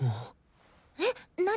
えっ何？